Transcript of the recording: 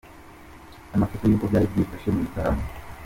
Amafoto y’uko byari byifashe mu gitaramo .